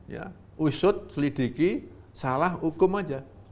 ya usut selidiki salah hukum aja